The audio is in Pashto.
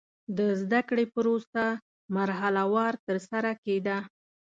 د زده کړې پروسه مرحله وار ترسره کېده.